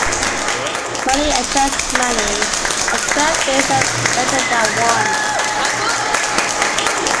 Money attracts money — and twelve brains are better than one.